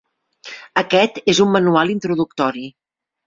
Aquest és un manual introductori.